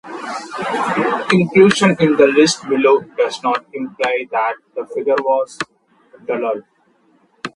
Inclusion in the list below does not imply that the figure "was" a dullard.